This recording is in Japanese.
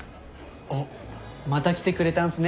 あっまた来てくれたんすね。